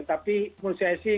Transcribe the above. tapi menurut saya sih